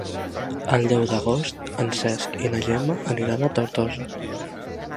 El deu d'agost en Cesc i na Gemma aniran a Tortosa.